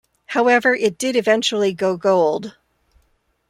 However, it did eventually go gold.